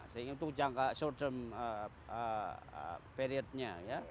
sehingga untuk jangka short term periodnya ya